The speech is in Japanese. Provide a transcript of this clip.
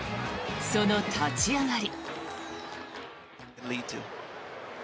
その立ち上がり。